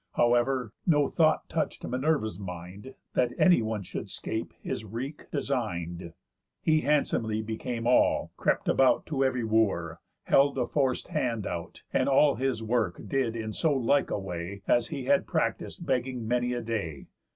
However, no thought touch'd Minerva's mind, That anyone should 'scape his wreak design'd. He handsomely became all, crept about To ev'ry Wooer, held a forc'd hand out, And all his work did in so like a way, As he had practis'd begging many a day.